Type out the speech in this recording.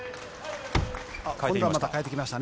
今度は変えてきましたね。